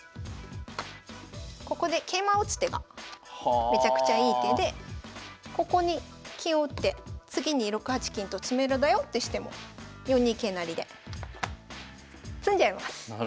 ここで桂馬を打つ手がめちゃくちゃいい手でここに金を打って次に６八金と詰めろだよってしても４二桂成で詰んじゃいます。